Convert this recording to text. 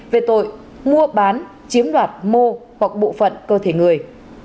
về tội mua bán chiếm đoạt mô hoặc bộ phận cơ thể người